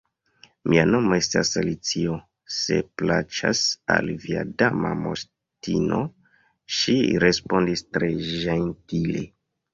"Mia nomo estas Alicio, se plaĉas al via Dama Moŝtino," ŝi respondis tre ĝentile.